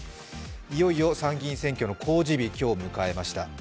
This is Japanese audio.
いよいよ参議院選挙の公示日今日、迎えました。